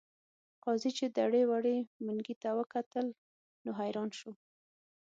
قاضي چې دړې وړې منګي ته وکتل نو حیران شو.